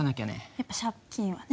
やっぱ借金はね。